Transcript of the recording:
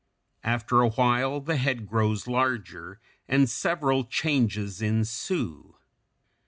After a while the head grows larger, and several changes ensue.